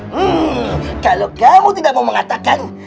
hmm kalau kamu tidak mau mengatakan